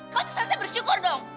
kamu tuh selesai bersyukur dong